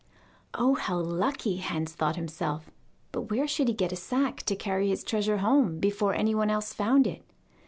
Oh, how lucky Hans thought himself; but where should he get a sack to carry his treasure home before anyone else found it?